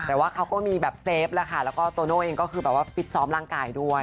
แต่ว่าเขาก็มีแบบเซฟแล้วค่ะแล้วก็โตโน่เองก็คือแบบว่าฟิตซ้อมร่างกายด้วย